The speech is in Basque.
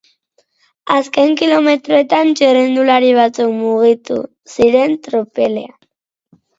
Azken kilometroetan txirrindulari batzuk mugite ziren tropelean.